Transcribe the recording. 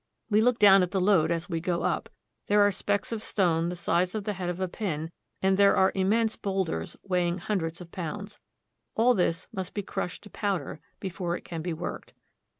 We look down at the load as we go up. There are specks of stone the size of the head of a pin, and there are immense bowlders, weighing hundreds of pounds. All this must be crushed to pow der before it can be worked.